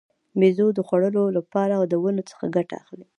بیزو د خوړو لپاره له ونو څخه ګټه اخلي.